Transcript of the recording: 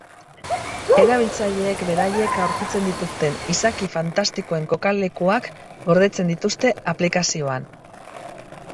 Erabiltzaileek beraiek aurkitzen dituzten izaki fantastikoen kokalekuak gordetzen dituzte aplikazioan.